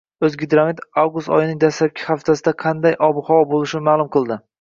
“O‘zgidromet” avgust oyining dastlabki haftasida qanday ob-havo bo‘lishini ma’lum qildi